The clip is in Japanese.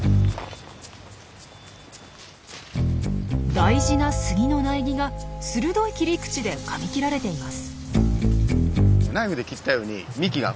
大事なスギの苗木が鋭い切り口でかみ切られています。